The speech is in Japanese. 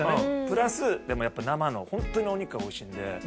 プラスでもやっぱり生のホントにお肉がおいしいので。